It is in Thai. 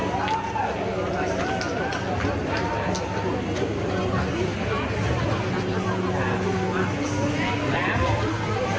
อำนวยความเสี่ยงบรรจ์วักษณ์ถูกข้อมูลกระดูก